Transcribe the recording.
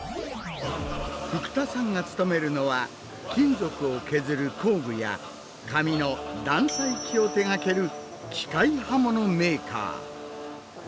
福田さんが勤めるのは金属を削る工具や紙の断裁機を手がける機械刃物メーカー。